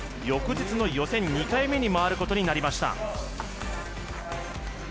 翌日の予選２回目に回ることになりました。